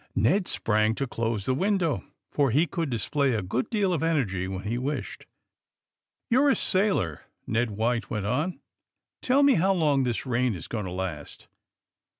Ned sprang to close the window, for he could display a good deal of energy when he wished. '^You're a sailor," Ned White went on. TeU me how long this rain is going to last."